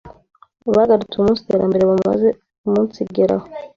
bagarutse umunsi iterambere bamaze umunsigeraho